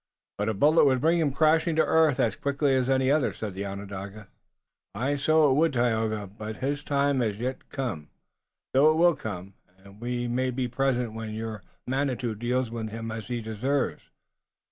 "But a bullet would bring him crashing to earth as quickly as any other," said the Onondaga. "Aye, so it would, Tayoga, but his time hasn't come yet, though it will come, and may we be present when your Manitou deals with him as he deserves.